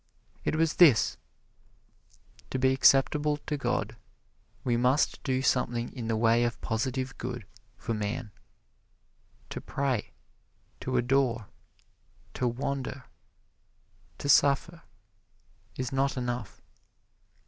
It was this: To be acceptable to God, we must do something in the way of positive good for man. To pray, to adore, to wander, to suffer, is not enough.